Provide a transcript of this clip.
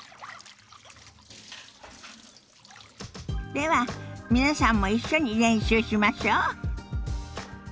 では皆さんも一緒に練習しましょ。